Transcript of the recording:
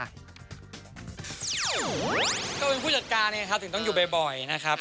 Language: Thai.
ก็เป็นผู้จัดการไงครับถึงต้องอยู่บ่อยนะครับ